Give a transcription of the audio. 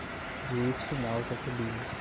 Juiz Final Jaqueline